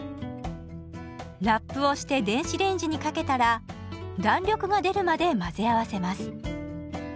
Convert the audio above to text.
ラップをして電子レンジにかけたら弾力が出るまで混ぜ合わせます。